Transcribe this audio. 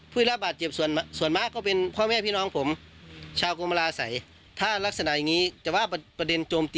ตัวลงมันถูกไหม